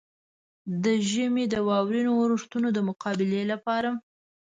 د ژمي د واورينو اورښتونو د مقابلې لپاره.